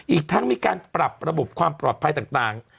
อีกทั้งมีการปรับระบบความปลอดภัยต่าง